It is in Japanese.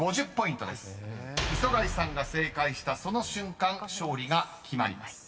［磯貝さんが正解したその瞬間勝利が決まります］